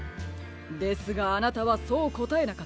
ですがあなたはそうこたえなかった。